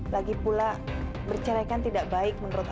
lagi pula bercerai kan tidak baik menurut agama